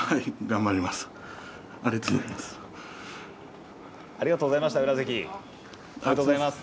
頑張ります。